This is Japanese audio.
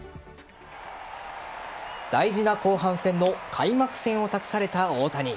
大事な後半戦の開幕戦を託された大谷。